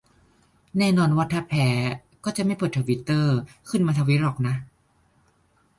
แน่นอนว่าถ้าแพ้ก็จะไม่เปิดทวิตเตอร์ขึ้นมาทวีตหรอกนะ